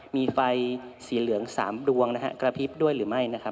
มีไฟสีเหลือง๓ดวงนะฮะกระพริบด้วยหรือไม่นะครับ